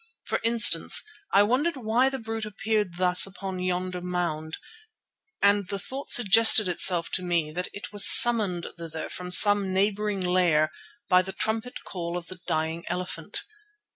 For instance, I wondered why the brute appeared thus upon yonder mound, and the thought suggested itself to me that it was summoned thither from some neighbouring lair by the trumpet call of the dying elephant.